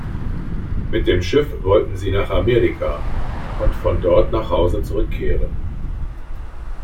Mit dem Schiff wollten sie nach Amerika und von dort nach Hause zurückkehren.